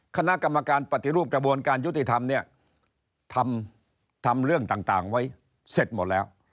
คณะกรรมการปฏิรูปกระบวนการยุติธรรมเนี่ยทำเรื่องต่างไว้เสร็จหมดแล้ว